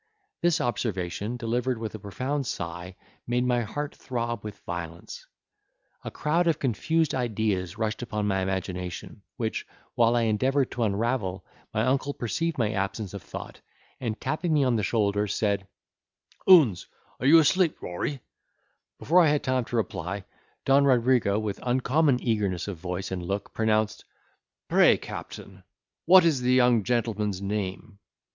This observation, delivered with a profound sigh, made my heart throb with violence: a crowd of confused ideas rushed upon my imagination, which, while I endeavoured to unravel, my uncle perceived my absence of thought, and tapping me on the shoulder, said, "Oons, are you asleep, Rory?" Before I had time to reply, Don Rodrigo, with uncommon eagerness of voice and look, pronounced, "Pray, captain, what is the young gentleman's name?"